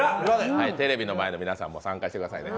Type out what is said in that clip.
テレビの前の皆さんも参加してくださいね。